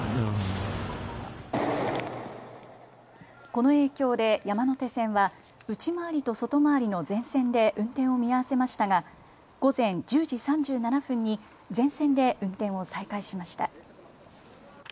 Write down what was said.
この影響で山手線は内回りと外回りの全線で運転を見合わせましたが午前１０時３７分に全線で運転を再開しました。